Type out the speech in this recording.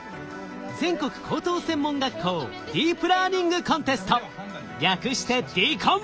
全国高等専門学校ディープラーニングコンテスト略してＤＣＯＮ！